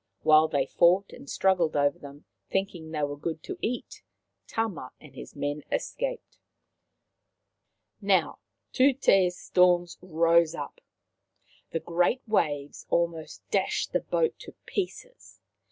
While they fought and struggled over them, thinking they were good to eat, Tama and his men escaped. Now Tutu's storms rose up. The great waves Tama and his Wife 205 almost dashed the boat to pieces.